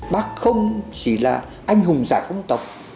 bác không chỉ là anh hùng giải phóng tộc